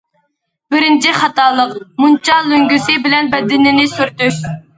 بىرىنچى خاتالىق: مۇنچا لۆڭگىسى بىلەن بەدىنىنى سۈرتۈش.